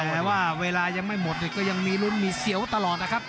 แต่ว่าเวลายังไม่หมดก็ยังมีลุ้นมีเสียวตลอดนะครับ